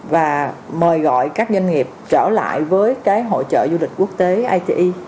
và mời gọi các doanh nghiệp trở lại với cái hội trợ du lịch quốc tế ite